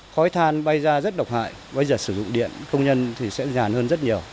khói than bay ra rất độc hại bây giờ sử dụng điện công nhân thì sẽ nhàn hơn rất nhiều